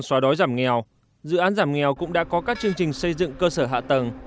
xóa đói giảm nghèo dự án giảm nghèo cũng đã có các chương trình xây dựng cơ sở hạ tầng